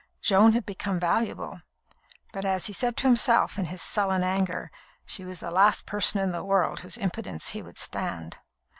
Joan had become valuable, but, as he said to himself in his sullen anger, she was the "last person in the world whose impudence he would stand."